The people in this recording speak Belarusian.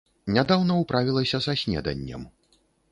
Нядаўна ўправілася са снеданнем.